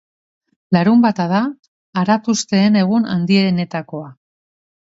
Larunbata da aratusteen egun handienetakoa.